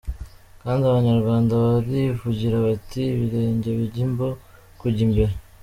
Kandi Abanyarwanda barivugira bati : “ibirenge bijya imbu kujya imbere”.